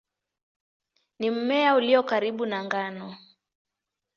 Ni mmea ulio karibu na ngano.